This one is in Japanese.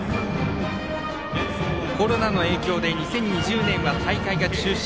コロナの影響で２０２０年は大会が中止。